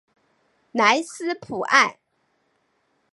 莱斯普埃。